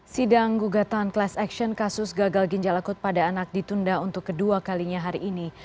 sidang gugatan class action kasus gagal ginjal akut pada anak ditunda untuk kedua kalinya hari ini